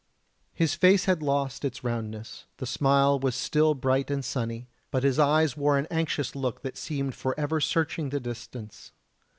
His face had lost its roundness, the smile was still bright and sunny, but his eyes wore an anxious look that seemed for ever searching the distance.